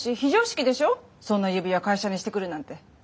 そんな指輪会社にしてくるなんて。